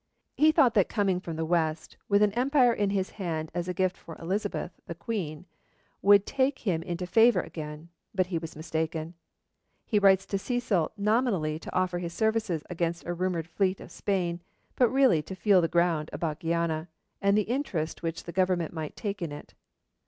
He thought that coming from the west, with an empire in his hand as a gift for Elizabeth, the Queen would take him into favour again, but he was mistaken. He writes to Cecil nominally to offer his services against a rumoured fleet of Spain, but really to feel the ground about Guiana, and the interest which the Government might take in it.